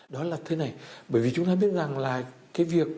đó là thế này bởi vì chúng ta biết rằng là cái việc